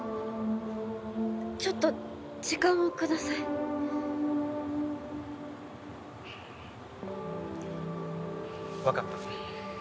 ちょっと時間をください。分かった。